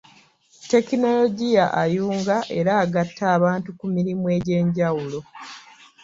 Tekinologiya ayunga era agata abantu ku mirimu egy'enjawulo.